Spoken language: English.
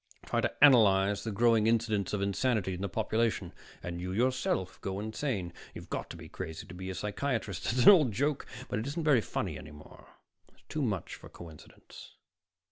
Try to analyze the growing incidence of insanity in the population and you yourself go insane. You've got to be crazy to be a psychiatrist. It's an old joke, but it isn't very funny any more. And it's too much for coincidence.